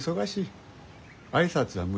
挨拶は無用。